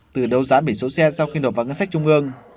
từ đầu giá bỉ số xe sau khi đột vào ngân sách trung ương